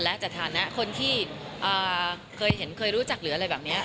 และสถานะคนที่เคยเห็นเคยรู้จักหรืออะไรแบบนี้